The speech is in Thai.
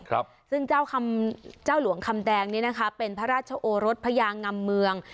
ครับซึ่งเจ้าคำเจ้าหลวงคำแดงนี้นะคะเป็นพระราชโอรสพยางำเมือง